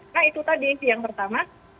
nah itu tadi yang pertama